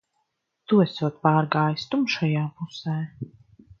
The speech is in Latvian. Tu esot pārgājis tumšajā pusē.